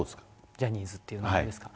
ジャニーズっていう名前ですか？